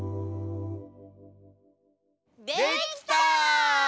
できた！